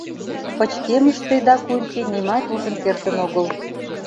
Пычкемыште Дакунти нимат ужын кертын огыл.